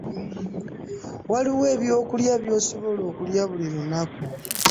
Waliwo eby'okulya by'osobola okulya buli lunaku.